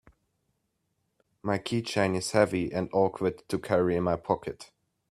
My keychain is heavy and awkward to carry in my pocket.